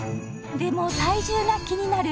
でも体重が気になる